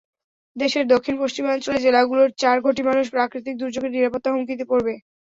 দেশের দক্ষিণ-পশ্চিমাঞ্চলের জেলাগুলোর চার কোটি মানুষ প্রাকৃতিক দুর্যোগের নিরাপত্তা হুমকিতে পড়বে।